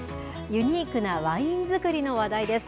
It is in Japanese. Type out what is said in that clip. ユニークなワイン造りの話題です。